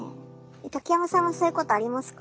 竹山さんはそういうことありますか？